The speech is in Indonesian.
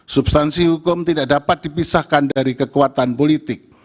substansi hukum tidak dapat dipisahkan dari kekuatan politik